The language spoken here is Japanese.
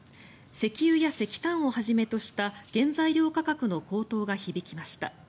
石油や石炭をはじめとした原材料価格の高騰が響きました。